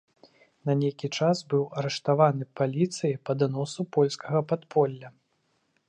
На нейкі час быў арыштаваны паліцыяй па даносу польскага падполля.